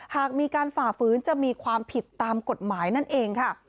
หากมีการฝ่าฝืนจะมีความผิดตามกฎหมายนั่นเองค่ะ